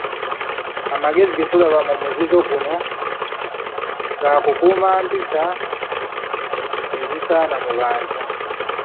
Amagezi ge tulaba mu muzizo guno ga kukuuma mpisa ezisaana mu bantu.